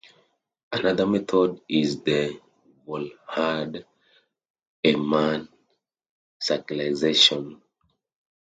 Another method is the Volhard-Erdmann cyclization.